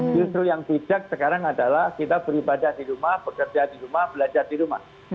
justru yang bijak sekarang adalah kita beribadah di rumah bekerja di rumah belajar di rumah